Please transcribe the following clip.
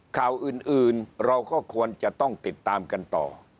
ข่าวอื่นเราก็ควรจะต้องติดตามกันต่อ